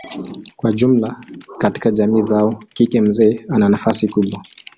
Kwa jumla katika jamii zao kike mzee ana nafasi kubwa.